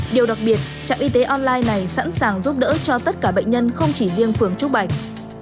điều đặc biệt trạm y tế online này sẵn sàng giúp đỡ cho tất cả bệnh nhân không chỉ riêng phường trúc bạch